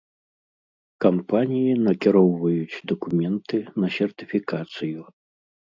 Кампаніі накіроўваюць дакументы на сертыфікацыю.